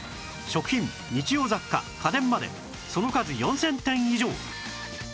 食品日用雑貨家電までその数４０００点以上